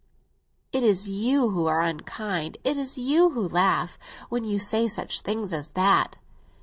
"It is you who are unkind, it is you who laugh, when you say such things as that."